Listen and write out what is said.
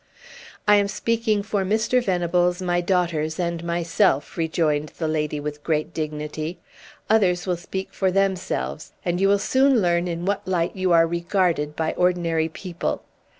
"I am speaking for Mr. Venables, my daughters, and myself," rejoined the lady with great dignity; "others will speak for themselves; and you will soon learn in what light you are regarded by ordinary people.